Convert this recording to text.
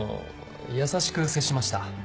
優しく接しました。